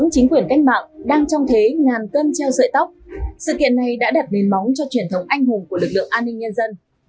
chính quyền cách mạng đang trong thế ngàn tân treo sợi tóc sự kiện này đã đặt nền móng cho truyền thống anh hùng của lực lượng an ninh nhân dân